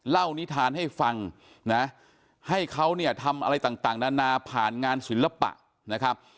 นิทานให้ฟังนะให้เขาเนี่ยทำอะไรต่างนานาผ่านงานศิลปะนะครับ